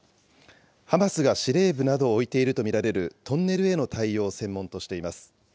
ハマスが司令部などを置いていると見られるトンネルへの対応を専門としています。